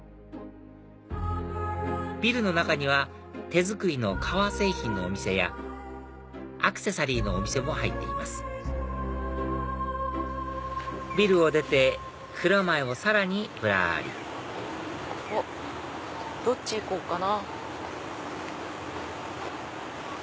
ビルの中には手作りの革製品のお店やアクセサリーのお店も入っていますビルを出て蔵前をさらにぶらりどっち行こうかな。